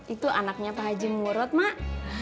itu anaknya pak haji murud mak